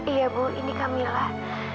iya bu ini kamilah